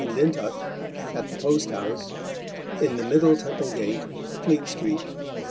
Lintott, at the Post House, in the Middle Temple Gate, Fleet Street_.